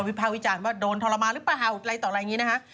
ภาควิจารณ์ว่าโดนทรมานหรือเปล่าอะไรต่ออะไรอย่างนี้นะคะ